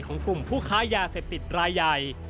กลุ่มผู้ค้ายาเสพติดรายใหญ่